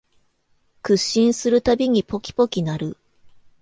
屈伸するたびにポキポキ鳴る